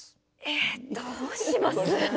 えどうします？